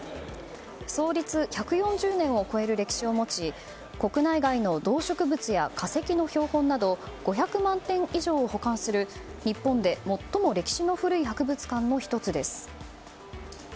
創立１４０年を超える歴史を持ち国内外の動植物や化石の標本など５００万点以上を保管する日本で最も歴史の古い博物館の１つです。